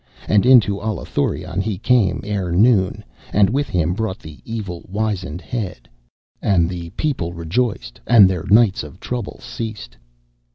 And into Allathurion he came ere noon, and with him brought the evil wizened head, and the people rejoiced, and their nights of trouble ceased.